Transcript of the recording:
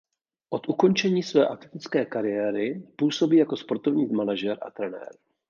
Od ukončení své atletické kariéry působí jako sportovní manažer a trenér.